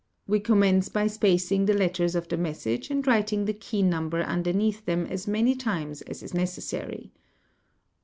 we commence by pacing the letters of the message and writing the key number under neath them as many times as is necessary.